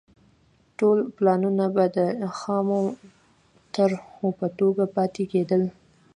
ټول پلانونه به د خامو طرحو په توګه پاتې کېدل.